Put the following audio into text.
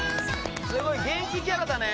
すごい元気キャラだね。